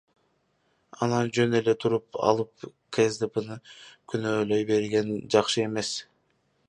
Анан жөн эле туруп алып КСДПны күнөөлөй берген жакшы эмес.